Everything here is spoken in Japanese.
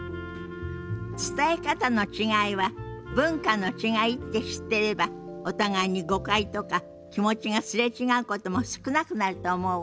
伝え方の違いは文化の違いって知ってればお互いに誤解とか気持ちが擦れ違うことも少なくなると思うわ。